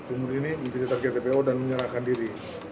umur ini menjadi target dpo dan menyerahkan diri